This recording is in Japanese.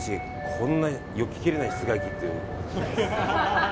こんなよけきれない室外機。